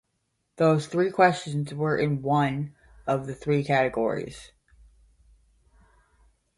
Those three questions were in one of three categories.